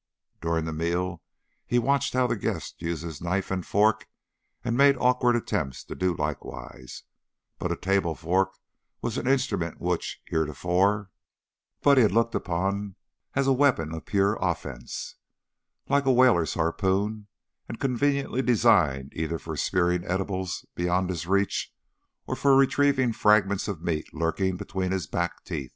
During the meal he watched how the guest used his knife and fork and made awkward attempts to do likewise, but a table fork was an instrument which, heretofore, Buddy had looked upon as a weapon of pure offense, like a whaler's harpoon, and conveniently designed either for spearing edibles beyond his reach or for retrieving fragments of meat lurking between his back teeth.